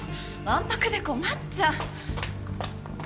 わんぱくで困っちゃう。